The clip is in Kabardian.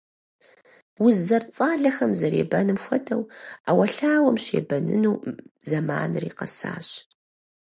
Уз зэрыцӀалэхэм зэребэным хуэдэу, Ӏэуэлъауэм щебэныну зэманри къэсащ.